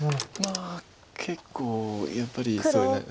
まあ結構やっぱり。